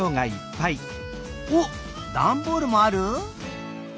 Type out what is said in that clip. おっダンボールもある？